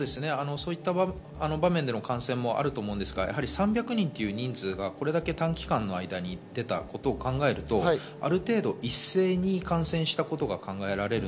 そういった場面での感染もあると思いますが、３００人という人数がこれだけ短期間の間に出たことを考えると、ある程度、一斉に感染したことが考えられます。